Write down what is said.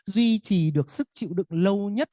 duy trì được sức chịu đựng lâu nhất